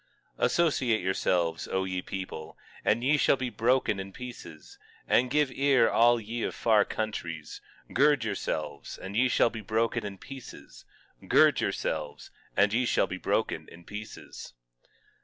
18:9 Associate yourselves, O ye people, and ye shall be broken in pieces; and give ear all ye of far countries; gird yourselves, and ye shall be broken in pieces; gird yourselves, and ye shall be broken in pieces.